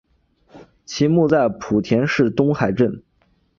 其墓在莆田市东海镇。